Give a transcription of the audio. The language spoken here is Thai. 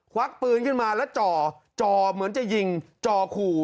วักปืนขึ้นมาแล้วจ่อเหมือนจะยิงจ่อขู่